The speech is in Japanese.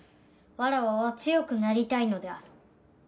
わらわは強くなりたいのである。